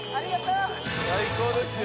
・最高ですよ